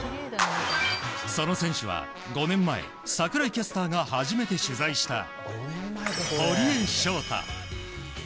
その選手は５年前櫻井キャスターが初めて取材した堀江翔太。